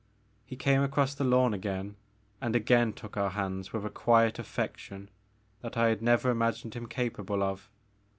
He came across the lawn again and again took our hands with a quiet affection that I had never imagined him capable of.